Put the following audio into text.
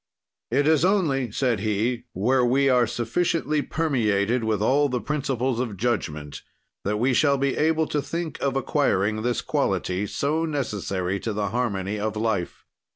"It is only," said he, "where we are sufficiently permeated with all the principles of judgment that we shall be able to think of acquiring this quality, so necessary to the harmony of life.